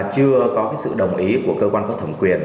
chưa có sự đồng ý của cơ quan có thẩm quyền